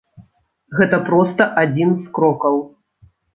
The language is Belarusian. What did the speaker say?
Гэта проста адзін з крокаў.